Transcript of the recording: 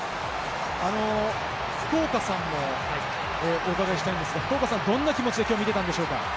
福岡さんもお伺いしたいんですが、どんな気持ちで見てたんですか？